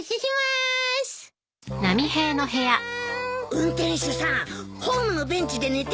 運転手さんホームのベンチで寝ている人がいるよ。